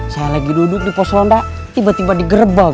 saya lagi duduk di pos ronda tiba tiba digerebang